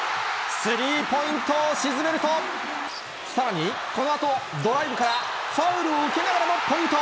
スリーポイントを沈めると、さらに、このあとドライブから、ファウルを受けながらもポイント。